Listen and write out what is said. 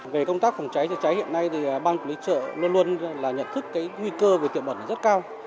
về công tác phòng cháy chữa cháy hiện nay thì ban quản lý chợ luôn luôn là nhận thức cái nguy cơ về tiệm ẩn rất cao